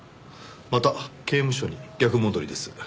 また刑務所に逆戻りです。